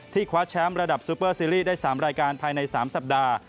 คว้าแชมป์ระดับซูเปอร์ซีรีส์ได้๓รายการภายใน๓สัปดาห์